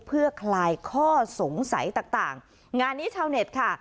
เพื่อคลายข้อสงสัยต่างต่างงานนี้ชาวเน็ตค่ะ